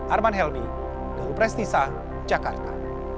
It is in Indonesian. arman helmy dulu prestisa jakarta